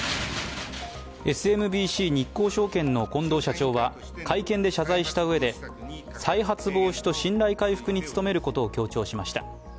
日興證券の近藤社長は会見で謝罪したうえで再発防止と信頼回復に努めることを強調しました。